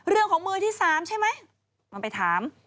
เรื่องของมือที่๓ใช่ไหมมาไปถาม